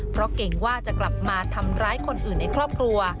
เพราะเกรงว่าจะกลับมาทำร้ายคนอื่นในครอบครัว